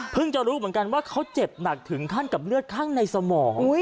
จะรู้เหมือนกันว่าเขาเจ็บหนักถึงขั้นกับเลือดข้างในสมอง